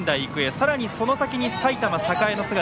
さらにその先に埼玉栄の姿。